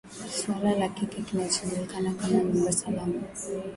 suala la kile kinachojulikana kama nyumba salama